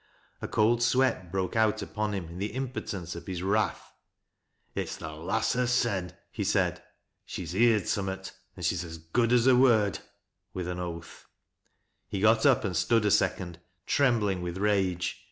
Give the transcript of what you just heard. A cold sweat broke out upon him in thfj impotence of his wrath. " It^s th' lass hersen," he said. " She's heerd summat, an' she's as good as her word !"— with an oath. He got up and stood a second trembling with rage.